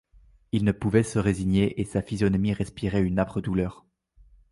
Il ne pouvait se résigner, et sa physionomie respirait une âpre douleur.